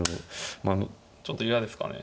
ちょっと嫌ですかね。